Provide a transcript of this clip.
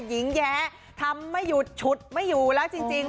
หญิงแย้ทำไม่หยุดฉุดไม่อยู่แล้วจริง